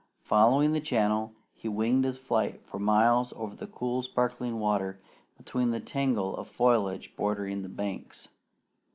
Following the channel, he winged his flight for miles over the cool sparkling water, between the tangle of foliage bordering the banks.